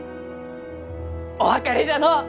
お別れじゃのう！